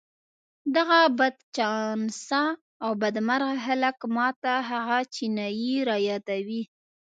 دغه بدچانسه او بدمرغه خلک ما ته هغه چينايي را يادوي.